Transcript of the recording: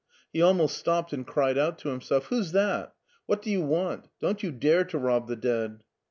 He almost stopped and cried out to him self, "Who's that? What do you want? Don't you dare to rob the dead